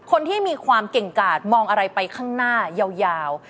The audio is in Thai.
คนที่มีความเก่งกาดมองอะไรไปข้างหน้ายาว